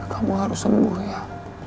kamu harus sembuh ya